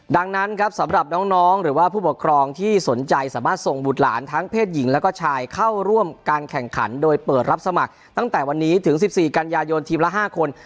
ดังนั้นครับสำหรับน้องหรือว่าผู้ปกครองที่สนใจสามารถส่งบุตรหลานทั้งเพศหญิงแล้วก็ชายเข้าร่วมการแข่งขันโดยเปิดรับสมัครตั้งแต่วันนี้ถึง๑๔กันยายนทีมละ๕คน